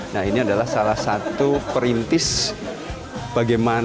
nah ini adalah salah satu perintis bagaimana